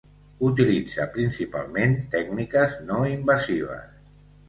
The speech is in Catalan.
Utilitza principalment tècniques no invasives.